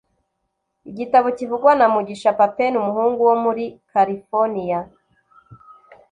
Igitabo kivugwa na Mugisha Papen, umuhungu wo muri Californiya